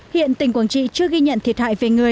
hiện tỉnh quảng trị chưa ghi nhận thiệt hại về người